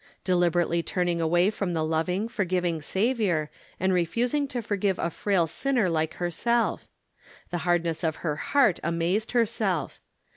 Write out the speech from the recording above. Deliberately turning away from the loving, forgiving Saviour, and refusing to forgive a frail sinner lite herself. The hardness of her heart amazed herself.